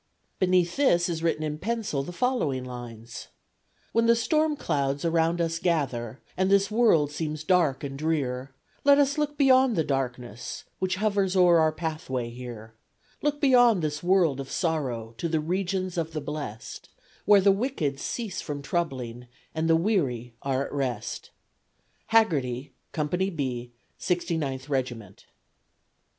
Beneath this is written in pencil the following lines: When the storm clouds around us gather, And this world seems dark and drear, Let us look beyond the darkness Which hovers o'er our pathway here; Look beyond this world of sorrow To the regions of the blest, Where the wicked cease from troubling And the weary are at rest. Haggerty, Co. B, 69th Reg't.